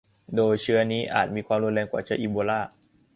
โดยเชื้อนี้อาจมีความรุนแรงกว่าเชื้ออีโบลา